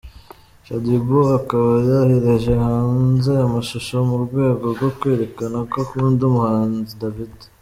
Shadyboo akaba yohereje hanze aya mashusho mu rwego rwo kwerekana ko akunda umuhanzi Davido .